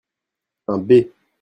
Un b.